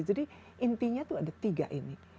jadi intinya tuh ada tiga ini